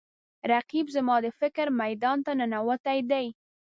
رقیب زما د فکر میدان ته ننوتی دی